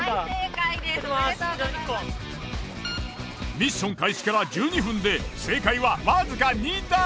ミッション開始から１２分で正解はわずか２体。